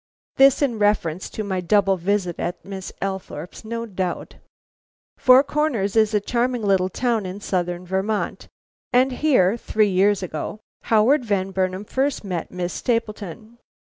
This in reference to my double visit at Miss Althorpe's, no doubt. "Four Corners is a charming town in Southern Vermont, and here, three years ago, Howard Van Burnam first met Miss Stapleton.